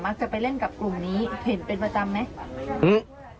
จะไปเล่นกับกลุ่มนี้เห็นเป็นประจำไหม